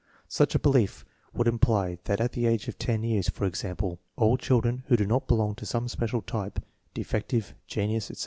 Such a belief would imply that at the age of ten years, for example, all children who do not belong to some special type (defective, genius, etc.)